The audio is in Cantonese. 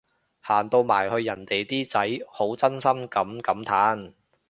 行到埋去人哋啲仔好真心噉感嘆